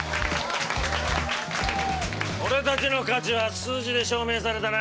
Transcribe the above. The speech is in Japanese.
俺達の価値は数字で証明されたな